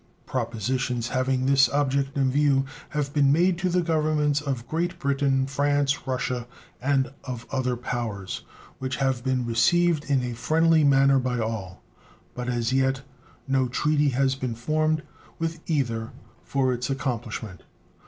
Propositions having this object in view have been made to the Governments of Great Britain, France, Russia, and of other powers, which have been received in a friendly manner by all, but as yet no treaty has been formed with either for its accomplishment.